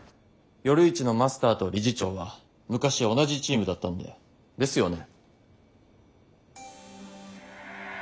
よるイチのマスターと理事長は昔同じチームだったんだよ。ですよね？